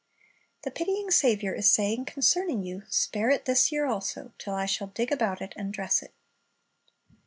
"^ The pitying Saviour is saying concerning you, Spare it this year also, till I shall dig about it and dress it.